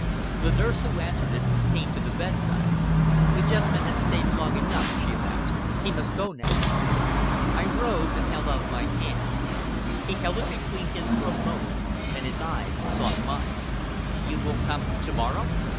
The nurse who answered it came to the bedside. "The gentleman has stayed long enough," she announced. "He must go now!" I rose and held out my hand. He held it between his for a moment, and his eyes sought mine. "You will come to morrow?"